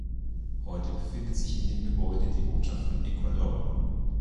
Heute befindet sich in dem Gebäude die Botschaft von Ecuador.